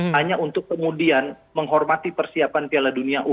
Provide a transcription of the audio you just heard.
hanya untuk kemudian menghormati persiapan piala dunia u dua puluh